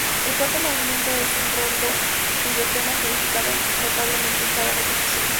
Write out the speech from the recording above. El cuarto movimiento es un rondó cuyo tema es modificado notablemente en cada repetición.